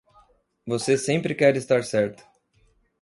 Você sempre quer estar certo.